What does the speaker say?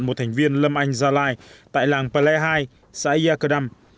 một thành viên lâm anh gia lai tại làng ple hai xã yacadam